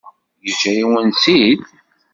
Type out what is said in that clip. Yeǧǧa-yawen-tt-id?